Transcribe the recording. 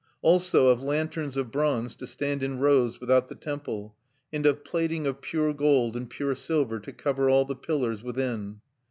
"Also of lanterns of bronze to stand in rows without the temple, and of plating of pure gold and pure silver to cover all the pillars within!"